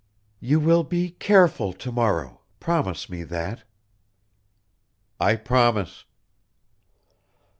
"You will be careful to morrow promise me that." "I promise."